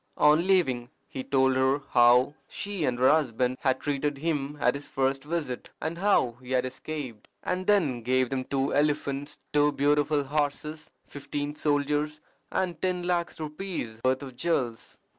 On leaving he told her how she and her husband had treated him at his first visit, and how he had escaped; and then gave them two elephants, two beautiful horses, fifteen soldiers, and ten lacs rupees' worth of jewels.